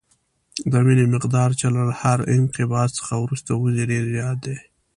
د وینې مقدار چې له هر انقباض څخه وروسته وځي ډېر زیات دی.